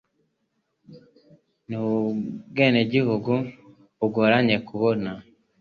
Ni Ubwenegihugu bugoranye kubona